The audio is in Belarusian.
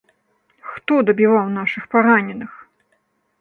Хто дабіваў нашых параненых?